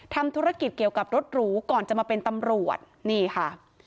ทำธุรกิจเกี่ยวกับรถหรูก่อนจะมาเป็นตำรวจนี่ค่ะ